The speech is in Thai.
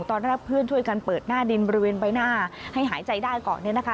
ตอนแรกเพื่อนช่วยกันเปิดหน้าดินบริเวณใบหน้าให้หายใจได้ก่อน